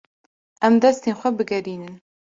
Em destên xwe bigerînin.